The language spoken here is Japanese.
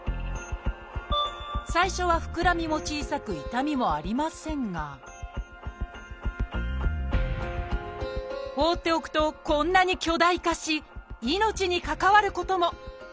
最初はふくらみも小さく痛みもありませんが放っておくとこんなに巨大化し命に関わることも。